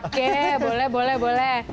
oke boleh boleh boleh